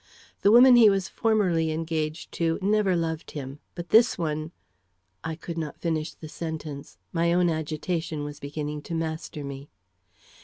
"The woman he was formerly engaged to never loved him; but this one " I could not finish the sentence. My own agitation was beginning to master me.